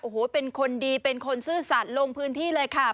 โอ้โหเป็นคนดีเป็นคนซื่อสัตว์ลงพื้นที่เลยค่ะ